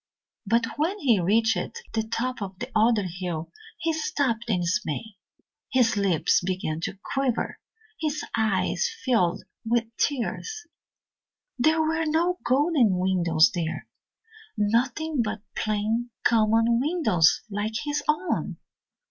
But when he reached the top of the other hill he stopped in dismay; his lips began to quiver, his eyes filled with tears. There were no golden windows there nothing but plain, common windows like his own.